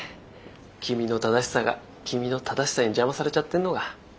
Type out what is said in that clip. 君の正しさが君の正しさに邪魔されちゃってるのが。